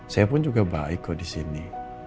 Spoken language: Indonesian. saya pun juga baik kok di sini